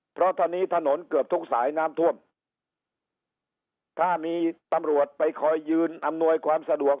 เพราะตอนนี้ถนนเกือบทุกสายน้ำท่วมถ้ามีตำรวจไปคอยยืนอำนวยความสะดวก